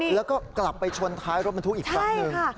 แล้วก็กลับไปชนท้ายรถบรรทุกอีกครั้งหนึ่ง